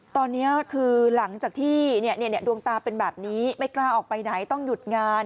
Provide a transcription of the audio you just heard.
ตอนนี้คือหลังจากที่ดวงตาเป็นแบบนี้ไม่กล้าออกไปไหนต้องหยุดงาน